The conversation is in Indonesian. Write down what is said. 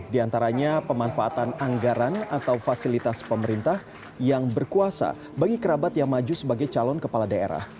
di antaranya pemanfaatan anggaran atau fasilitas pemerintah yang berkuasa bagi kerabat yang maju sebagai calon kepala daerah